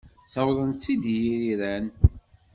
Ttawḍen-tt-id yiriran.